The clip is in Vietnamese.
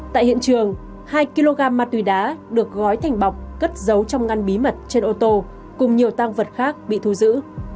tại hiện trường hai kg ma túy đá được gói thành bọc cất giấu trong ngăn bí mật trên ô tô cùng nhiều tăng vật khác bị thu giữ